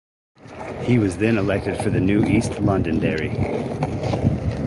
He was then elected for the new East Londonderry.